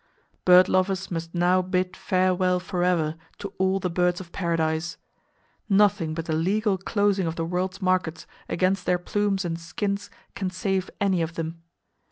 Bird lovers must now bid farewell forever to all the birds of paradise. Nothing but the legal closing of the world's markets against their plumes and skins can save any of them.